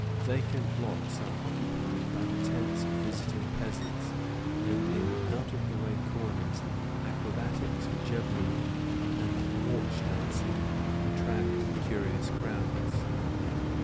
Vacant lots are occupied by the tents of visiting peasants, and in out of the way corners acrobatics, jugglery, and Nautch dancing attract curious crowds.